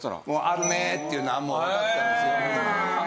あるねっていうのはもうわかってたんですよ。